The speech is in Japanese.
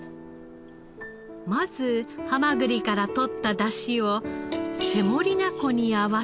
まずハマグリから取った出汁をセモリナ粉に合わせ。